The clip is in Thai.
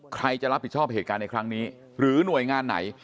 ใครจะรับผิดชอบเหตุการณ์ในครั้งนี้หรือหน่วยงานไหน